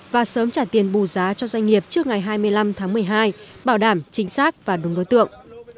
và sớm trả tiền bù giá cho doanh nghiệp trước ngày hai mươi năm tháng một mươi hai bảo đảm chính xác và đúng đối tượng